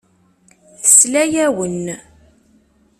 Tesla-awen.